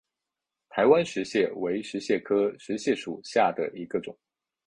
台湾石蟹为石蟹科石蟹属下的一个种。